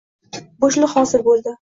Bo‘shliq hosil bo‘ldi.